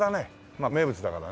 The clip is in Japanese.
まあ名物だからね。